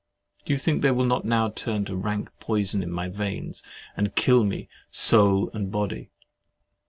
Do you think they will not now turn to rank poison in my veins, and kill me, soul and body?